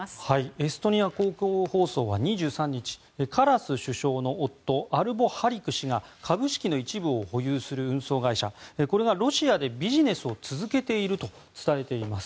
エストニア公共放送は２３日カラス首相の夫アルボ・ハリク氏が株式の一部を保有する運送会社これがロシアでビジネスを続けていると伝えています。